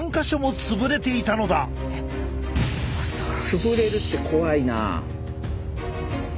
つぶれるって怖いな。